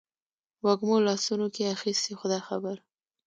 وږمو لاسونو کې اخیستي خدای خبر